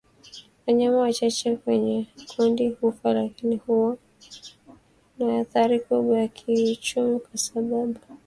Wanyama wachache kwenye kundi hufa lakini huwa na athari kubwa ya kiuchumi kwa sababu